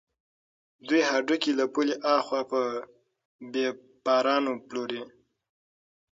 دوی هډوکي له پولې اخوا په بېپارانو پلوري.